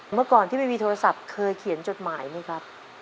เมื่อก่อนที่ไม่มีโทรศัพท์เคยเขียนจดหมายไหมครับ